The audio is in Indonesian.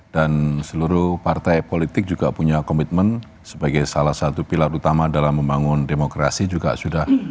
dan seluruh partai politik juga punya komitmen sebagai salah satu pilar utama dalam membangun demokrasi juga sudah